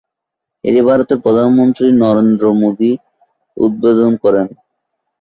এটি ভারতের প্রধানমন্ত্রী নরেন্দ্র মোদি উদ্বোধন করেন।